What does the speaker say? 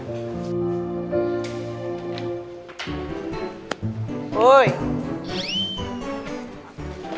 masih aja mikirin yang tadi